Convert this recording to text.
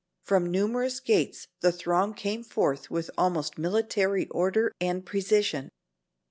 From numerous gates the throng came forth with almost military order and precision.